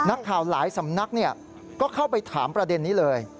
นักข่าวหลายสำนักก็เข้าไปถามประเด็นนี้เลย